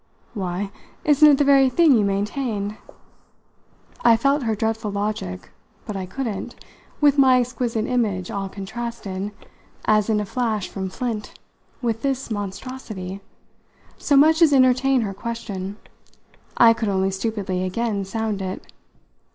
"Why, isn't it the very thing you maintained?" I felt her dreadful logic, but I couldn't with my exquisite image all contrasted, as in a flash from flint, with this monstrosity so much as entertain her question. I could only stupidly again sound it.